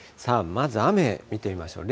まず雨見てみましょう。